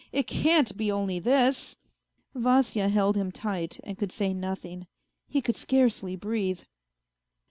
It can't be only this ." Vasya held him tight and could say nothing. He could scarcely breathe.